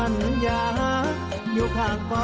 โน้ท